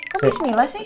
kok bismillah sih